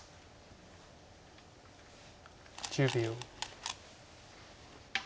１０秒。